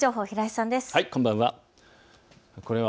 こんばんは。